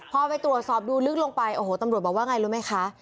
พอไปตรวจสอบดูลึกลงไปโอ้โหตำรวจบอกว่าไงรู้ไหมคะ